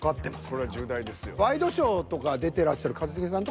これは重大ですよ。